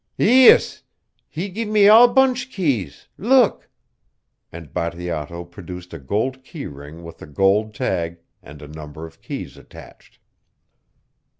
"Ees he give me all bunch keys look!" and Bateato produced a gold key ring with a gold tag and a number of keys attached.